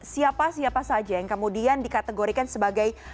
siapa siapa saja yang kemudian dikategorikan sebagai